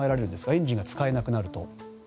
エンジンが使えなくなると。